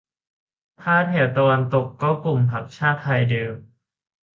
ถ้าแถบตะวันตกก็กลุ่มพรรคชาติไทยเดิม